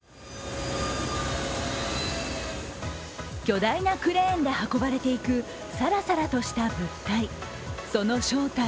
巨大なクレーンで運ばれていくサラサラとした物体。